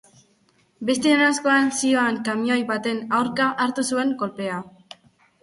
Beste noranzkoan zihoan kamioi baten aurka hartu zuen kolpea.